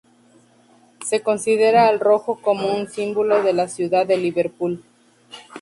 Se considera al rojo como un símbolo de la ciudad de Liverpool.